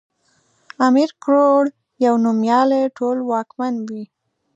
امير کروړ يو نوميالی ټولواکمن وی